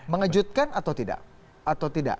mengejutkan atau tidak